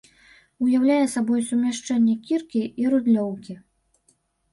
Уяўляе сабой сумяшчэнне кіркі і рыдлёўкі.